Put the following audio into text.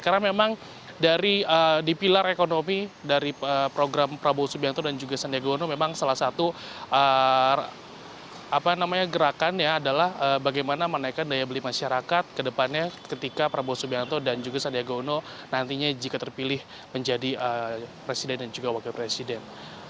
karena memang di pilar ekonomi dari program prabowo subianto dan juga sandiaga uno memang salah satu gerakan adalah bagaimana menaikkan daya beli masyarakat kedepannya ketika prabowo subianto dan juga sandiaga uno nantinya jika terpilih menjadi presiden dan juga wakil presiden